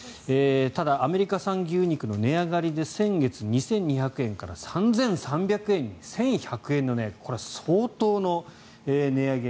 ただ、アメリカ産牛肉の値上がりで先月、２２００円から３３００円に１１００円の値上げ。